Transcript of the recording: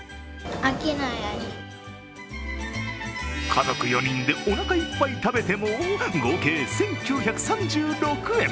家族４人でおなかいっぱい食べても合計１９３６円。